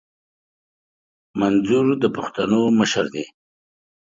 منظور د پښتنو مشر دي